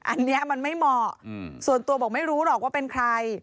อันนี้มันไม่เหมาะส่วนตัวบอกไม่รู้หรอกว่าเป็นใคร